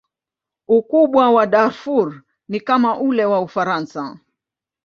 Ukubwa wa Darfur ni kama ule wa Ufaransa.